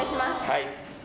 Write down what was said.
はい。